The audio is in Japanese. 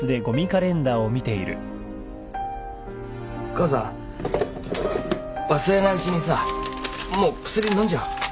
母さん忘れないうちにさもう薬飲んじゃおう。